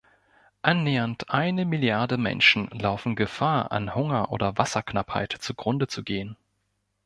Annähernd eine Milliarde Menschen laufen Gefahr, an Hunger oder Wasserknappheit zugrunde zu gehen.